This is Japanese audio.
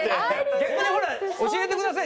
逆にほら教えてください。